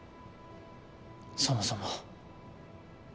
そもそも。